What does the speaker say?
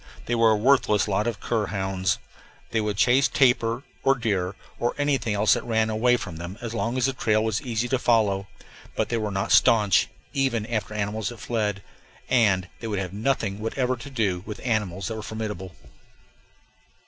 They were a worthless lot of cur hounds. They would chase tapir or deer or anything else that ran away from them as long as the trail was easy to follow; but they were not stanch, even after animals that fled, and they would have nothing whatever to do with animals that were formidable.